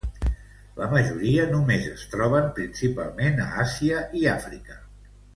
La majoria només es troben principalment a Àsia i Àfrica.